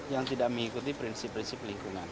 yang tidak mengikuti prinsip prinsip lingkungan